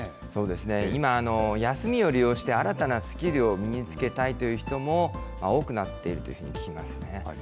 そうですね、今、休みを利用して、新たなスキルを身につけたいという人も多くなっているというふうに聞きますね。